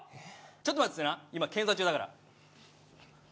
ちょっと待っててな今検査中だから。